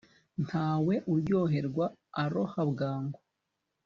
Nta we uryoherwa aroha bwangu